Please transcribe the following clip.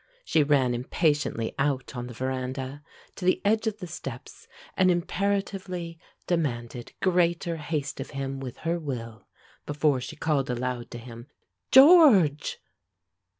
She ran impatiently out on the veranda, to the edge of the steps, and imperatively demanded greater haste of him with her will before she called aloud to him, "George!"